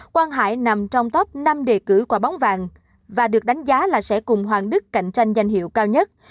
quang hải nằm trong top năm đề cử quả bóng vàng và được đánh giá là sẽ cùng hoàng đức cạnh tranh danh hiệu cao nhất